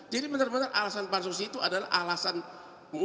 jadi benar benar alasan bansos itu adalah alasan